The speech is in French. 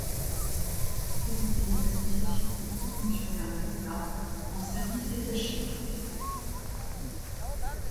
Il a présidé l'Association des hauts fonctionnaires de l'État en service détaché.